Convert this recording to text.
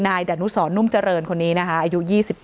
นายดะนุสรนุ่มเจริญคนี้อายุ๒๘